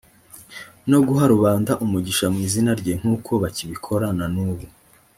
no guha rubanda umugisha mu izina rye, nk’uko bakibikora na n’ubu.